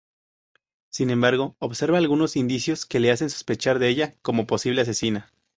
Sin embargo, observa algunos indicios que le hacen sospechar de ella como posible asesina.